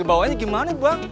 ke bawahnya gimana buang